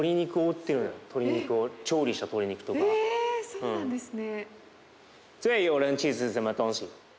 そうなんですね。